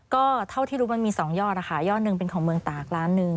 ก็เท่าที่รู้มันมี๒ยอดนะคะยอดหนึ่งเป็นของเมืองตากล้านหนึ่ง